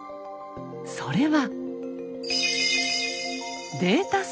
それは。